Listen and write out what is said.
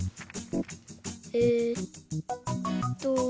えっと。